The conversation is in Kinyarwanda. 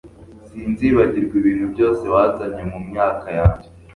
sinzibagirwa ibintu byose wazanye mumyaka yanjye